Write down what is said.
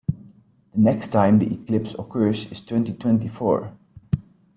The next time the eclipse occurs is in twenty-twenty-four.